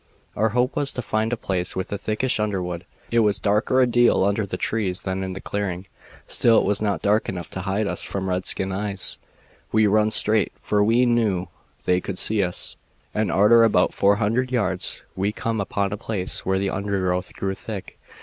"Our hope was to find a place with a thickish underwood. It was darker a deal under the trees than in the clearing, still it was not dark enough to hide us from redskin eyes. We run straight, for we knew they could see us, and arter about four hundred yards we come upon a place where the undergrowth grew thick.